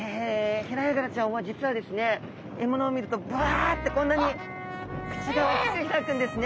ヘラヤガラちゃんは実はですね獲物を見るとバッてこんなに口が大きく開くんですね。